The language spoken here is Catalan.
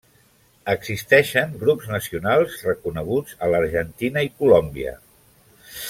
Existeixen grups nacionals reconeguts a l'Argentina i Colòmbia.